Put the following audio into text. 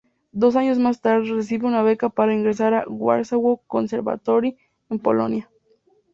Dos años más tarde, recibe una beca para ingresar al Warsaw Conservatory, en Polonia.